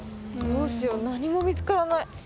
どうしようなにもみつからない。